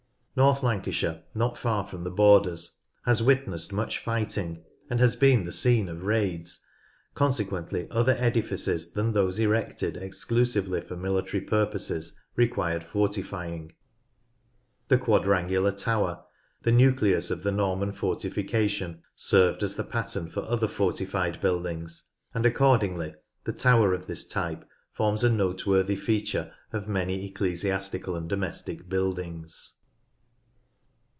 North Lancashire, not far from the borders, has witnessed much fighting and has been the scene of raids, consequently other edifices than those erected exclusively for military purposes required fortifying. The quadrangular tower, the nucleus of the Norman fortifica tion, served as the pattern for other fortified buildings, and accordingly the tower of this type forms a noteworthy feature of many ecclesiastical and domestic buildings.